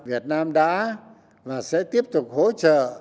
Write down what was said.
việt nam đã và sẽ tiếp tục hỗ trợ